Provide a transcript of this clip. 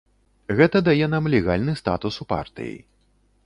Гэта дае нам легальны статус у партыі.